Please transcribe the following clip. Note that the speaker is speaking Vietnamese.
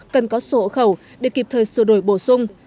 cần có số hộ khẩu để kịp thời sửa đổi bổ sung